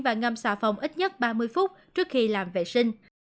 và ngâm xà phòng ít nhất ba mươi phút trước khi làm vệ sinh